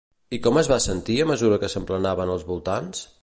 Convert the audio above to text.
I com es va sentir a mesura que s'emplenaven els voltants?